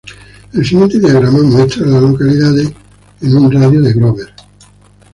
El siguiente diagrama muestra a las localidades en un radio de de Grover.